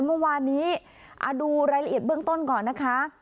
เมื่อวานนี้ดูรายละเอียดเบื้องต้นก่อนนะคะ